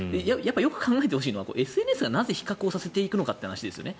よく考えてほしいのはＳＮＳがなぜ比較させていくのかですね。